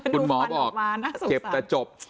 คุณหมอบอกเจ็บแต่จบ